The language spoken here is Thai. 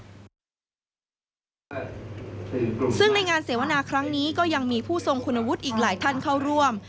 ซึ่งในงานเสวนาครั้งนี้ก็ยังมีผู้ทรงคุณวุฒิอีกหลายท่านเข้าร่วม